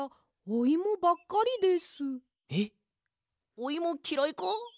おイモきらいか？